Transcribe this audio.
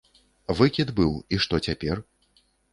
Выкід быў, і што цяпер?